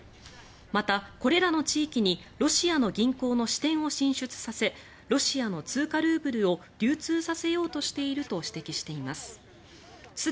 また、これらの地域にロシアの銀行の支店を進出させロシアの通貨・ルーブルを流通させようとしていると指摘しています。